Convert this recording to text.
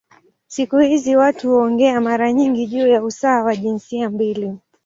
Siku hizi watu huongea mara nyingi juu ya usawa wa jinsia mbili.